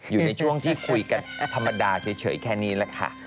อยู่ในช่วงที่คุยกันธรรมดาเฉยแค่นี้แหละค่ะ